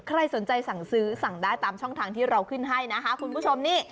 ใครสนใจสั่งซื้อสั่งได้ตามช่องทางที่เราขึ้นให้นะคะคุณผู้ชมนี่